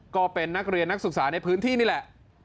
ก็เป็นนักเรียนนักศึกษาในพื้นที่นี่แหละ